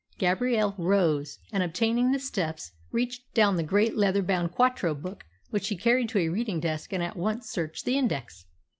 Gabrielle rose, and, obtaining the steps, reached down the great leather bound quarto book, which she carried to a reading desk and at once searched the index.